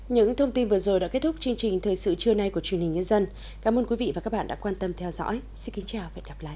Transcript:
những thông tin vừa rồi đã kết thúc chương trình thời sự trưa nay của truyền hình nhân dân cảm ơn quý vị và các bạn đã quan tâm theo dõi xin kính chào và hẹn gặp lại